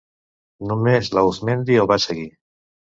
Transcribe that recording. Només l'Auzmendi el va seguir.